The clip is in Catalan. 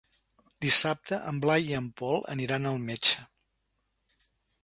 Dissabte en Blai i en Pol aniran al metge.